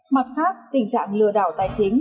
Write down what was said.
mặt khác tình trạng lừa đảo tài chính